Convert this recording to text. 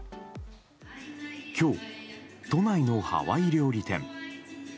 今日、都内のハワイ料理店。